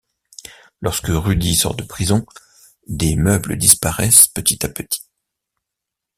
Lorsque Rudi sort de prison, des meubles disparaissent petit à petit.